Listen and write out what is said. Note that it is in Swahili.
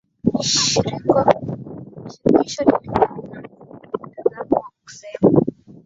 shirikisho lilikua linamfumo mtazamo wa kusema